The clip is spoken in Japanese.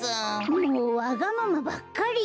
もうわがままばっかり！